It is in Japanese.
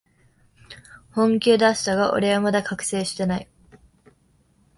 本気を出したが、俺はまだ覚醒してない